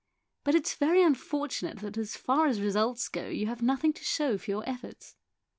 But it's very unfortunate that as far as results go you have nothing to show for your efforts.